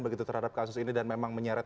begitu terhadap kasus ini dan memang menyeret